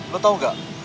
lo tau gak